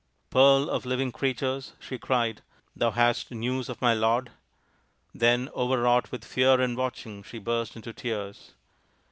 " Pearl of Living Creatures/' she cried, " thou hast news of Rama my lord ?" Then, overwrought with fear and watching, she burst into tears.